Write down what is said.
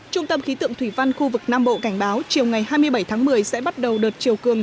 trung tâm khí tượng thủy văn khu vực nam bộ cảnh báo chiều ngày hai mươi bảy tháng một mươi sẽ bắt đầu đợt chiều cường